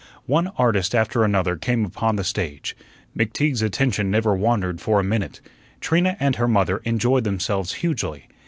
One "artist" after another came upon the stage. McTeague's attention never wandered for a minute. Trina and her mother enjoyed themselves hugely.